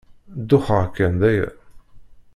Duxeɣ kan, d aya.